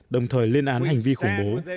đồng thời liên án hành vi khủng bố